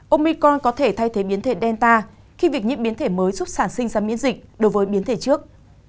omicon có thể thay thế biến thể delta khi việc nhiễm biến thể mới giúp sản sinh ra miễn dịch đối với biến thể trước